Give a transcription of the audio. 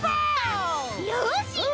よし！